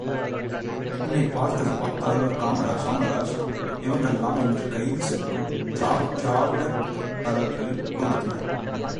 என்னைப் பார்த்ததும் தலைவர் காமராஜ், இவங்கள்ளாம் இன்று கைது செய்யப்பட்டிருக்கும் திராவிடக் கழகக்காரர்களின் குடும்பத்தினர்.